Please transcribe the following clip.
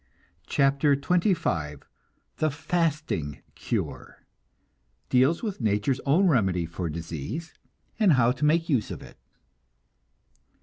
CHAPTER XXV THE FASTING CURE (Deals with nature's own remedy for disease, and how to make use of it.)